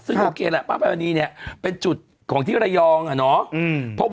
ซึ่งโอเคแล้วป้ามภาพดาปะนี่เนี่ยเป็นจุดของที่ไร้ยองอะเนาะ